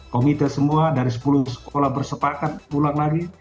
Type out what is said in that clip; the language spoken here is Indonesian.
komite semua dari sepuluh sekolah bersepakat pulang lagi